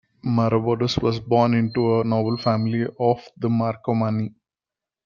Maroboduus was born into a noble family of the Marcomanni.